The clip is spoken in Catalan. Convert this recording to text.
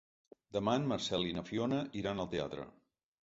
Demà en Marcel i na Fiona iran al teatre.